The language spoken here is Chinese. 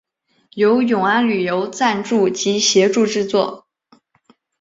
由永安旅游赞助及协助制作。